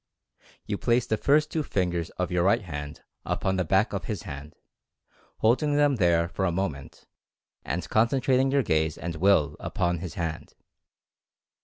You place the first two ringers of your right hand upon the back of his hand, holding them there for a mo ment, and concentrating your gaze and Will upon his hand.